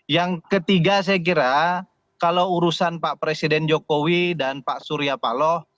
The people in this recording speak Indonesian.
yang ketiga saya kira kalau urusan pak presiden jokowi dan pak surya paloh